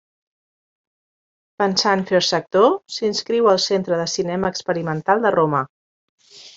Pensant fer-se actor, s'inscriu al Centre de cinema experimental de Roma.